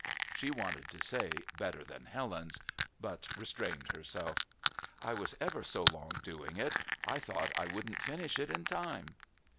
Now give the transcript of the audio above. She wanted to say "Better than Helen's?" but restrained herself. "I was ever so long doing it; I thought I wouldn't finish it in time."